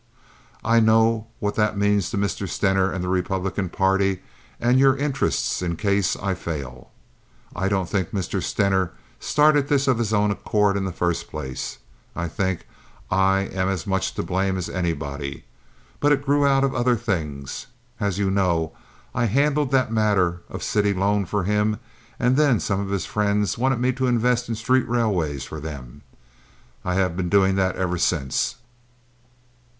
I know what that means to Mr. Stener and the Republican party and your interests in case I fail. I don't think Mr. Stener started this of his own accord in the first place—I think I am as much to blame as anybody—but it grew out of other things. As you know, I handled that matter of city loan for him and then some of his friends wanted me to invest in street railways for them. I have been doing that ever since.